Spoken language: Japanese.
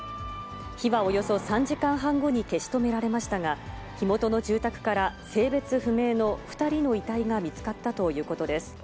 火はおよそ３時間半後に消し止められましたが、火元の住宅から性別不明の２人の遺体が見つかったということです。